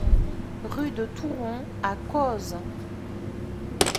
Rue de Touron à Cozes